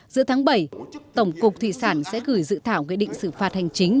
giữa tháng bảy tổng cục thủy sản sẽ gửi dự thảo nghị định xử phạt hành chính